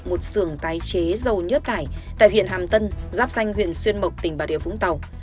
một xưởng tái chế dầu nhớt tải tại huyện hàm tân giáp xanh huyện xuyên mộc tỉnh bà điều vũng tàu